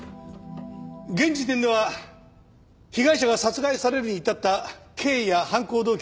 現時点では被害者が殺害されるに至った経緯や犯行動機は浮かんでいない。